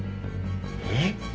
えっ！？